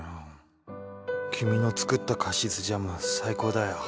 君の作ったカシスジャム最高だよ。